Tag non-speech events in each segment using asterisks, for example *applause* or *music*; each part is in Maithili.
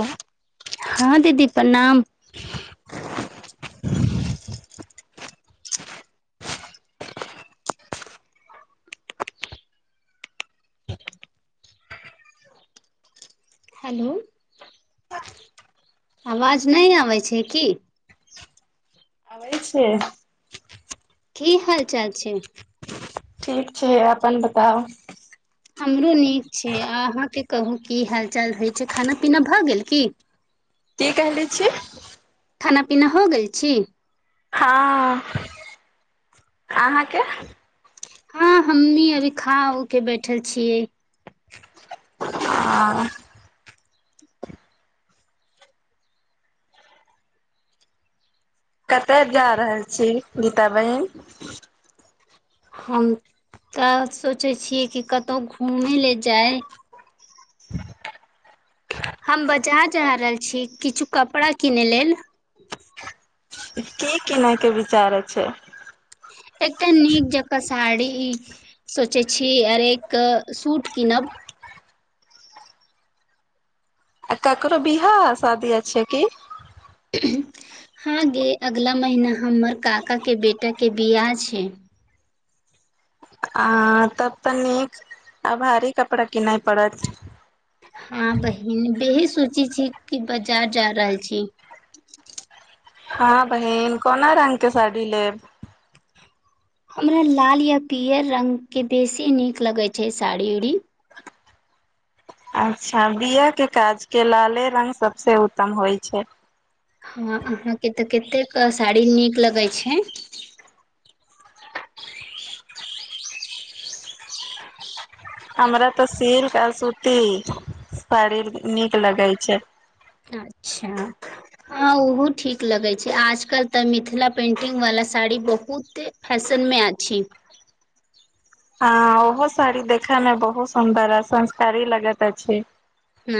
ह हँ दीदी प्रणाम हेलो आवाज नहि आबैत छै की अबै छी की हाल चाल छै ठीक छै अपन बताउ हमरो नीक छै आ अहाँके कहू की हाल चाल होइत छै खाना पीना भऽ गेल की की कहली छी खाना पीना हो गेल छीय हँ अहाँके हाँ हमनी अभी खा हो के बैठल छियै आओर *unintelligible* कत‌अ जा रहल छी गीता बहिन हम तऽ सोचै छियै कि कतहु घूमय लए जाय हम बाजार जा रहल छी किछु कपड़ा किनै लेल की किनय के विचार छै एकटा नीक जकाँ साड़ी ई सोचै छी अरे एक सूट कीनब आ ककरो बिआाह शादी छै की हँ गे अगलाा महिना हमर काका के बेटाके बिआह छै आ तब तऽ नीक आ भारी कपड़ा किनाय पड़त हँ बहिन बेही सोचे छी कि बाजार जा रहल छी हँ बहिन कोना रंग के साड़ी लेब हमरा लाल या पियर रंग के बेसी नीक लगे छै साड़ी उड़ी अच्छा बिआह के काजके लाले रंग सबसँ उत्तम होइ छै हँ अहाँके तऽ कतेक साड़ी नीक लगैत छै हमरा तऽ सिल्क आ सूती साड़ी नीक लगे छै अच्छा हँ ओहो ठीक लगे छै आजकल तऽ मिथिला पेंटिंग वाला साड़ी बहुत फैशनमे अछि ह ओहो साड़ी देखे मे बहुत सुन्दर ह संस्कारी लगैत अछि ह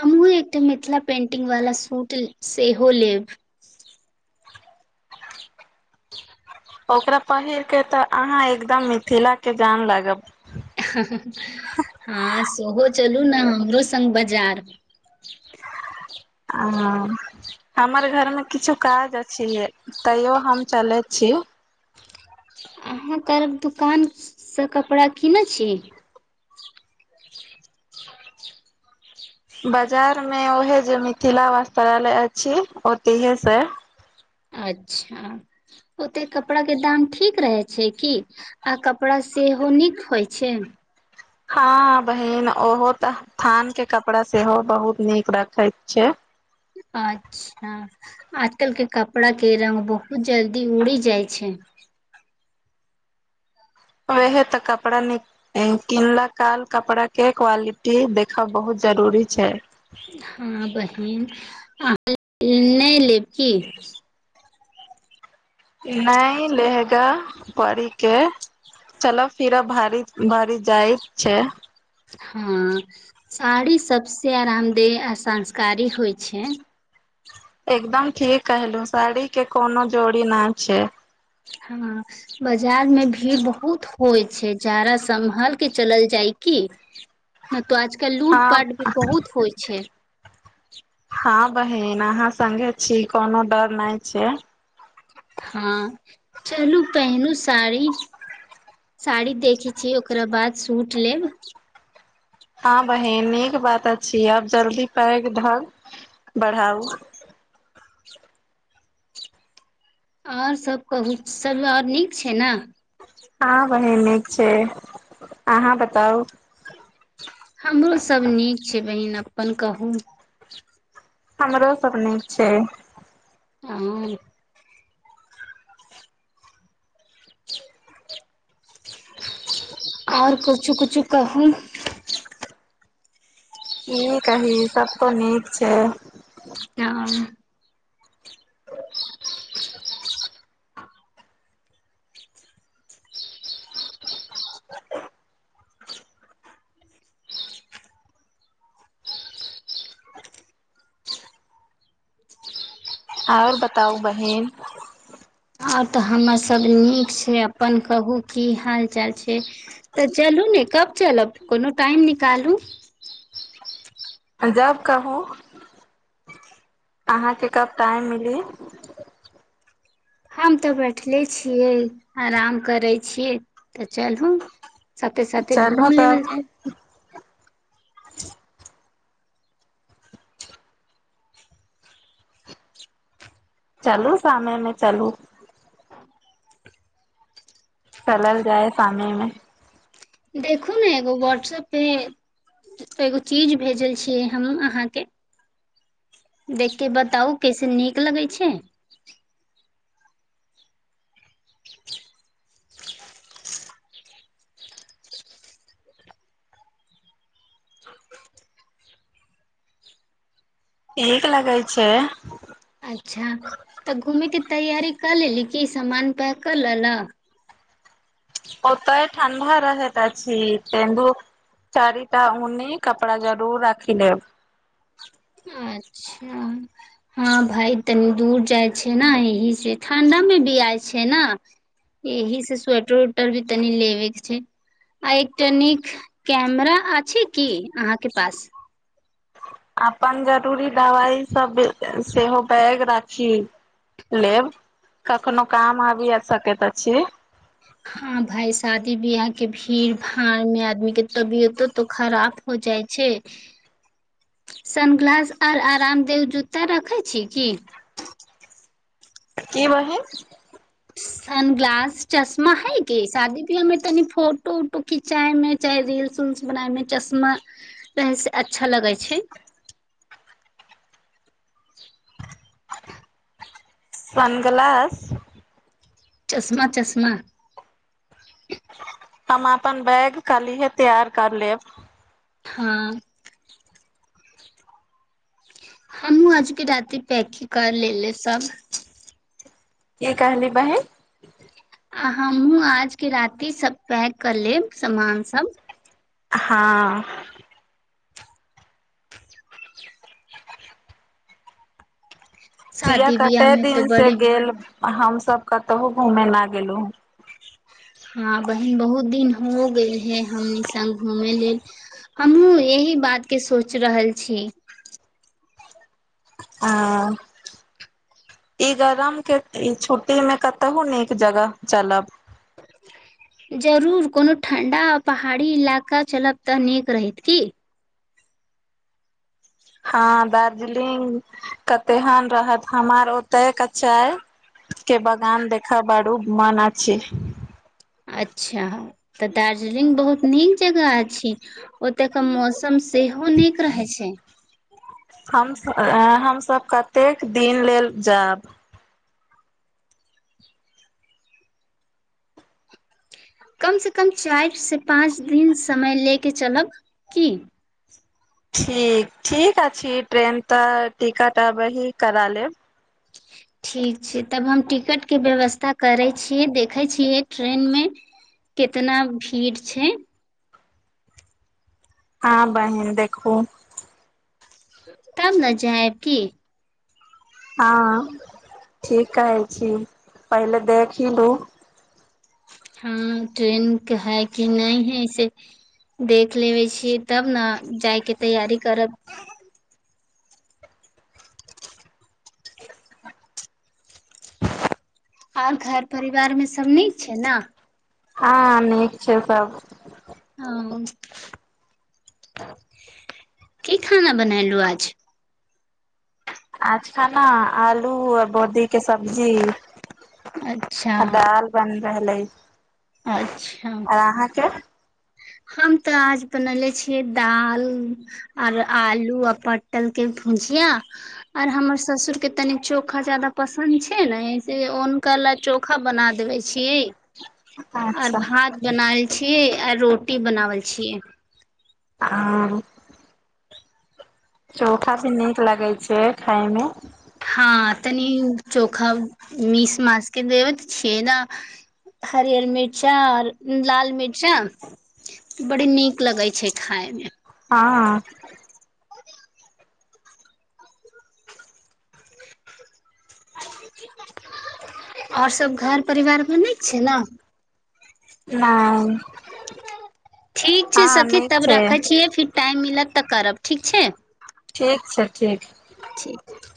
हमहुँ एकटा मिथिला पेंटिंग वाला सूट सेहो लेब ओकरा पहिर के तऽ अहाँ एकदम मिथिला के जान लागब हँ सेहो चलू ने हमरो संग बाजार ह हमर घर मे किछु काज अछिे तैयो हम चले छी अहाँ त दुकानसँ कपड़ा कीनैत छी बाजार मे ओहे जे मिथिला वास्त्रालय अछि ओतेहे से अच्छा ओते कपड़ाक के दाम ठीक रहे छै की आ कपड़ा सेहो नीक होइ छै हँ बहिन ओहो तऽ थान के कपड़ा सेहो बहुत नीक रखे छै अच्छा आजकल के कपड़ा के रंग बहुत जल्दी उड़ी जाय छै ओहे तऽ कपड़ा नीक किनला काल कपड़ा के क्वालिटी देखब बहुत जरूरी छै हँ बहिन अहाँ नहि लेब की न लेहगा पड़ी केे चलऽ फिरऽ भारी भार जाय छै हँ साड़ी सबस आरामदेय आ सास्कारी होइ छै एकदम ठीक कहलु साड़ी के कोनो जोड़ी न छै हँ बाजार में भीड़ बहुत होइ छै जाारा सम्भाल के चलल जाय की *unintelligible* नहि तो आजकल हँ लूटपाट भी बहुत होइ छै हँ बहिन अहाँ सगे छी कोनो डर नहि छै हँ चलू पेनू साड़ी साड़ी देखै छी ओकरा बाद सूट लेब हँ बहिन नीक बात अछि आब जल्दी पके धर बढ़ाउ आओर सब कहू सब आओर नीक छै ने हँ बहीन नीक छै अहाँ बताउ हमरो सब नीक छै बहिन अपन कहू हमरो सब नीक छै हँ आओर *inaudible* आओर कुछो कुछो कहू की कही सब त नीक छै अं *inaudible* आओर बताउ बहिन आओर तऽ हमर सब नीक छै अपन कहू की हाल चाल छै तऽ चलू ने कब चलब कोनो टाइम निकालू जब कहु अहाँके कब टाइम मिली हम तऽ बैठले छियै आराम करै छियै तऽ चलू साथे साथे चलू घूम लेबल तब जाय चलू शाम मे चलू चलल जाय सामे मे देखू ने एगो वाट्सपे एगो चीज भेजल छियै हम अहाँके देखिके बताउ कैसे नीक लगैत छै नीक लगै छै अच्छा तऽ घूमेयके तैयारी क लेली क सामान पै कऽ लेलक ओ तऽय ठण्ड रह हत छी तेन्दू चारिटा उऊनि कपड़ा जरूर राखि लेब अच्छा हँ भााय तनी दूर जाइ छै ने यह से ठंडा मे भी आय छै ने एहिह से स्वेटर उेटर भी तनी लेबे के छै आ एकटा नीक कैमरा अछि की अहााँ के पास अपन जरूरी दबाइ सब सेहो बैग राखी। लेब कखनो काम आबि आ सकेतऽ छी। हँ भााय शादी ब्याह के भीड़ भाड़ में आदमी के तबियतो तो खराब हो जाइ छैय। सनग्लास आर आरामदेव जूता रखैत छी की? की बहीन? सन ग्लास चश्मा है की शादी ब्याह मे तनि फोटो उटो खीच चायमे चाहे रील्स उल्स बनायमे चश्मा रहैसँ अच्छा लगै छैय। सनग्लास चश्मा चश्मा हम अपन बैग कालीहे तैयार कर लेब। हँ हँमहु आज भी राति पैक कर ले सब। की कहली बहिन? आ हमहु आज के राति सब पैक कर लेब सामान सब। हँ सया शादी बियाह कते में तो दिन से बड़ी गेल हमसभ कतहु घुमेना गेलहु। हँ बहिन बहुत दिन हो गेल है हमनी संग घूमय लेल। हमहुँ ऐहि बात के सोच रहल छी। आ ई गरम के ई छुट्टी में कतहु नीक जगह चलब। जरूर कोनो ठण्डा आ पहाड़ी इलाका चलब तऽ नीक रहैत की। हँ दार्जलिंग कतेहन रहत हमर ओते कच्चा के बागान देखब बारो मन अछि। अच्छा तऽ दार्जलिंग बहुत नीक जगह अछि। ओतय के मौसम सेहो नीक रहै छैय। हम हमस कतेक दिन लेल जायब? कमसँ कम चाइर सँ पाँच दिन समय लेके चलब की? ठीक ठीक अछि ट्रेन तऽ टिकट अबही करा लेब। ठीक छैय तब हम टिकटके व्यवस्था करै छियै देखैत छियै ट्रेनमे केतना भीड़ छैय। हँ बहिन देखु। तब ने जाहब की? हँ ठीक कहै छी पहिले देख लु। हँ ट्रेन के है कि नहि है से देख लेबे छियै तब ने जाइके तैयारी करब। आर घर परिवार मे सब नीक छैय ने? आ नीक छैय सब। ओ की खाना बनेलहु आज? आच खाना आलु आ बोदी के सब्जी अच्छा आ दाल। बनि रहलै। अच्छा आर अहाँके? हम तऽ आज बनले छियै दाल आओर आलु आ पटलके भुजिया आर हमर ससुर के तनि चोखा जादा पसन्द छैय ने से हुनक ला चोखा चोखा बना देबै छीयै। आऔर अच्छा भात बनाएल छीयै आ रोटी बनावल छीयै। हाँ चोखा भी नीक लगै छै खायमे हँ तनी चोखा मिस मासके देब तऽ छ ने हरियर मिर्चा आओर लाल मिर्चा बड़ी नीक लगै छै खाय मे हँ आओर सब घर परिवारमे नीक छै ने नहि ठीक छै हँ सखी नीक तब छै रखे छियै फिर टाइम मिलत तऽ करब ठीक छै ठीक छै ठीक ठीक